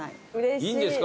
いいんですか？